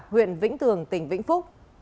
huyện vĩnh tường tỉnh vĩnh phúc